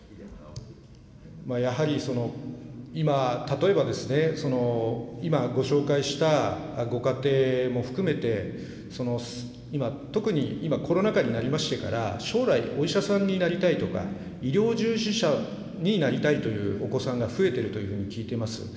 やはり今、例えばですね、今ご紹介したご家庭も含めて、今、特に今、コロナ禍になりましてから、将来、お医者さんになりたいとか、医療従事者になりたいというお子さんが増えているというふうに聞いています。